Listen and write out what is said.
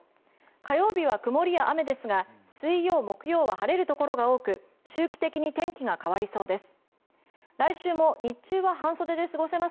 火曜日は曇りや雨ですが水曜、木曜は晴れるところが多く周期的に天気が変わりそうです。